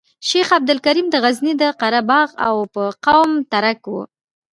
شیخ عبدالکریم د غزني د قره باغ او په قوم ترک وو.